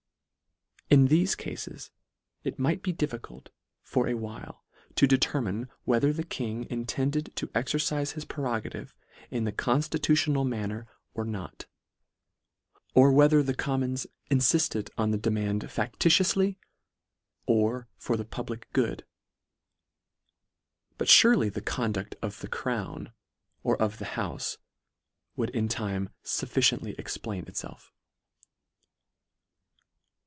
In thefe cafes it might be difficult for a while to determine, whether the King in tended to exercife his prerogative in a con ftitutional manner or not ; or whether the Commons infilled on the demand facf itioufly, or for the public good : But furely the con duel of the crown, or of the houfe, would in time fufficiently explain itfelf.